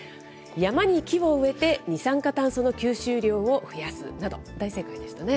山に木を植えて二酸化炭素の吸収量を増やすなど、大正解でしたね。